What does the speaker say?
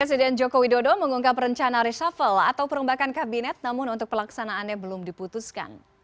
presiden joko widodo mengungkap rencana reshuffle atau perombakan kabinet namun untuk pelaksanaannya belum diputuskan